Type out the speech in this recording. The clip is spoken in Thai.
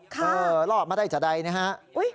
ค่ะเออรอดมาได้จะได้นะฮะอุ๊ย